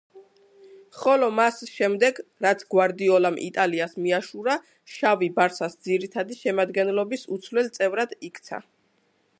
ხოლო მას შემდეგ, რაც გვარდიოლამ იტალიას მიაშურა, შავი „ბარსას“ ძირითადი შემადგენლობის უცვლელ წევრად იქცა.